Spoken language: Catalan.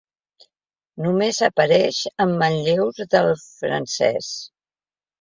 Només apareix en manlleus del francès.